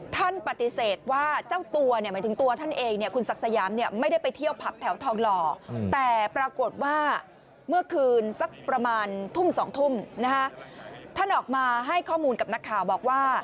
ท่านปฏิเสธว่าเจ้าตัวเนี่ยหมายถึงตัวท่านเองเนี่ยคุณศักดิ์สยามเนี่ยไม่ได้ไปเที่ยวผับแถวทองหล่อแต่ปรากฏว่าเมื่อคืนสักประมาณทุ่มสองทุ่มนะฮะท่านออกมาให้ข้อมูลกับนักข่าวบอกว่า